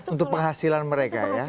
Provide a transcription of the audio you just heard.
untuk penghasilan mereka ya